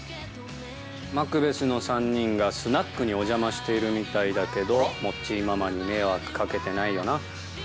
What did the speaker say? マクベスの３人がスナックにお邪魔しているみたいだけど、モッチーママに迷惑かけてないよ